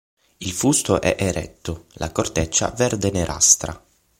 Il fusto è eretto, la corteccia verde nerastra.